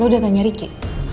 lo udah tanya ricky